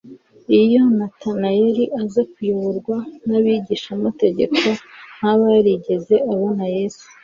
Iyo Natanayeli aza kuyoborwa n'abigishamategeko, ntaba yarigeze abona Yesu.